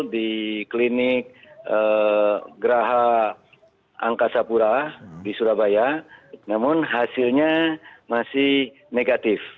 di klinik geraha angkasa pura di surabaya namun hasilnya masih negatif